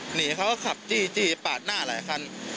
หนีเขาก็ขับจี้ปาดหน้าหลายคัน